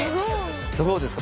どうですか？